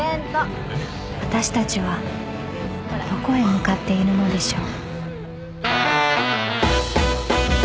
［私たちはどこへ向かっているのでしょう？］